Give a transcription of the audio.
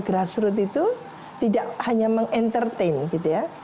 berhasrat itu tidak hanya menge entertain gitu ya